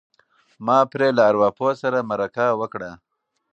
ما پرې له ارواپوه سره مرکه وکړه.